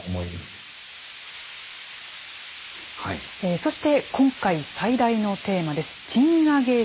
そして今回、最大のテーマです。